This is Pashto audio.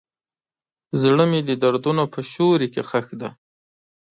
زړه مې د دردونو په سیوري کې ښخ دی.